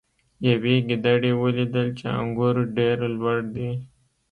یوې ګیدړې ولیدل چې انګور ډیر لوړ دي.